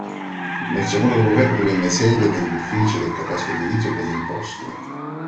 Nel secondo dopoguerra divenne sede degli uffici del catasto edilizio e delle imposte.